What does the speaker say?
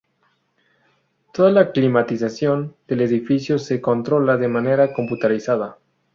Toda la climatización del edificio se controla de manera computarizada.